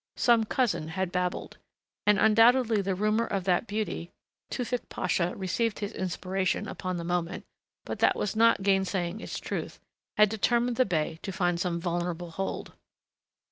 Some cousin had babbled.... And undoubtedly the rumor of that beauty Tewfick Pasha received his inspiration upon the moment, but that was not gainsaying its truth had determined the bey to find some vulnerable hold.